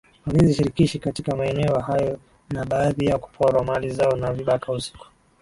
walinzi shirikishi katika maeneo hayo na baadhi yao kuporwa mali zao na vibaka usiku